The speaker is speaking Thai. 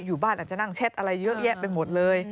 อยู่บ้านอาจจะนั่งแชทอะไรเยอะแยะไปหมดเลย